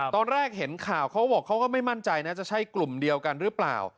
ตอนแรกเห็นข่าวเขาบอกเขาก็ไม่มั่นใจนะจะใช่กลุ่มเดียวกันหรือเปล่า